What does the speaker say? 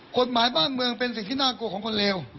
กฎหมายบ้านเมืองเป็นสิ่งที่น่ากลัวของคนเลว